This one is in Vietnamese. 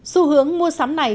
sưu hướng mua sắm này